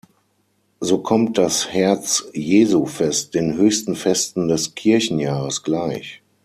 So kommt das Herz-Jesu-Fest den höchsten Festen des Kirchenjahres gleich.